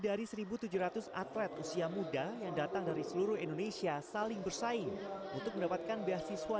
dari seribu tujuh ratus atlet usia muda yang datang dari seluruh indonesia saling bersaing untuk mendapatkan beasiswa